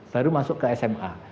baru masuk ke sma